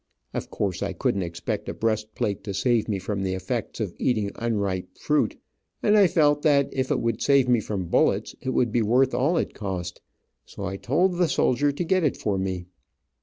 Of course I couldn't expect a breastplate to save me from the effects of eating unripe fruit, and I felt that if it would save me from bullets it would be worth all it cost, so I told the soldier to get it for me.